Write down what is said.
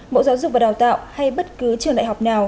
bộ giáo dục và đào tạo hay bất cứ trường đại học nào